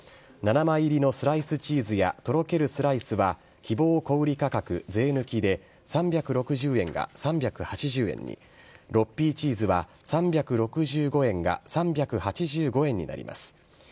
７枚入りのスライスチーズやとろけるスライスは希望小売価格税抜きで３６０円が３８０円に、６Ｐチーズは３６５円が３８５円になります。